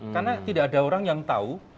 karena tidak ada orang yang menjualnya